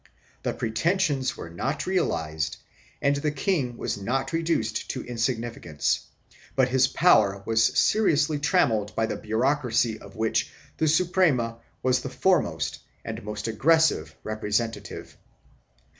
These pretensions were riot realized and the king was not reduced to insignificance, but his power was seriously trammelled by the bureaucracy of which the Suprema was the foremost and most aggressive representative.